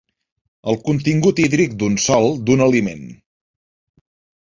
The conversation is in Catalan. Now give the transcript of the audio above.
El contingut hídric d'un sòl, d'un aliment.